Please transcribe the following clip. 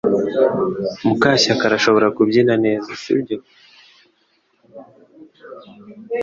Mukashyaka arashobora kubyina neza sibyo